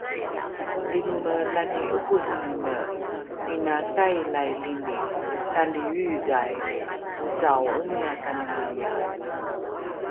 Iinome lani 'okehengine 'ina tailailini tali Yudhai ocao omiyaka nomiyae?